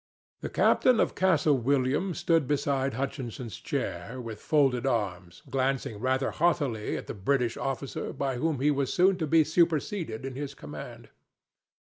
The captain of Castle William stood beside Hutchinson's chair, with folded arms, glancing rather haughtily at the British officer by whom he was soon to be superseded in his command.